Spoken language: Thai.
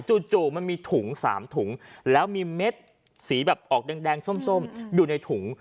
จู่มันมีถุง๓ถุงแล้วมีเม็ดสีแบบออกแดงส้มอยู่ในถุง